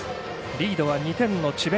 リードは２点の智弁